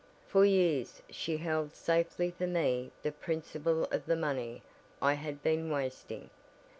For years she held safely for me the principal of the money I had been wasting.